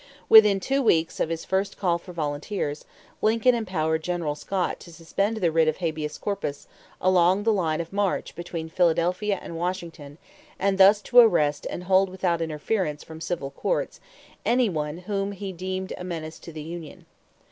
Within two weeks of his first call for volunteers, Lincoln empowered General Scott to suspend the writ of habeas corpus along the line of march between Philadelphia and Washington and thus to arrest and hold without interference from civil courts any one whom he deemed a menace to the union.